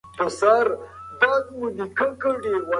هغه څوک چي خپله ژبه ساتي، ښه انسان دی.